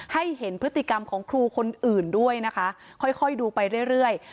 ให้เห็นพฤติกรรมของครูคนอื่นด้วยนะคะค่อยค่อยดูไปเรื่อยเรื่อย